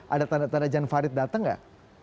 ada tanda tanda jan farid datang nggak